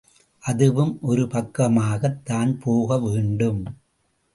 அதுவும் ஒரு பக்கமாகத் தான் போக வேண்டும்.